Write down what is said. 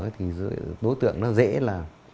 thì đối tượng nó dễ là